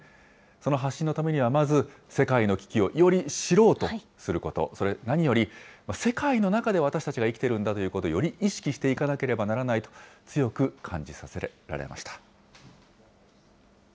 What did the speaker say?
その発信のためには、まず世界の危機をより知ろうとすること、それ、何より、世界の中で私たちが生きているんだということを、より意識していかなければならないと強く感じさせられました。